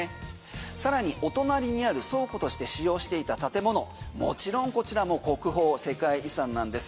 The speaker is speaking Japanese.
さらにお隣にある倉庫として使用していた建物もちろんこちらも国宝、世界遺産なんです。